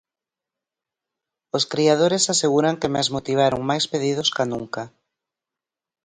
Os criadores aseguran que mesmo tiveron máis pedidos ca nunca.